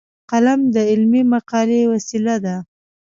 قلم د علمي مقالې وسیله ده